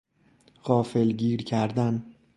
غافلگیر کردن